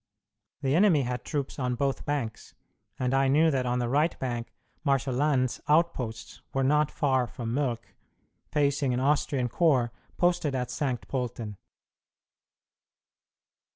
The enemy had troops on both banks, and I knew that on the right bank Marshal Lannes's outposts were not far from Mölk, facing an Austrian corps, posted at Saint Pölten.